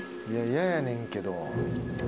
嫌やねんけど。